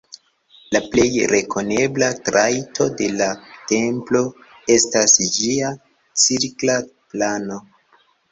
La plej rekonebla trajto de la templo estas ĝia cirkla plano.